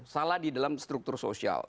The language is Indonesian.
salah di dalam struktur sosial